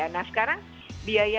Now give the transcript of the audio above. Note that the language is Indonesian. nah sekarang biayanya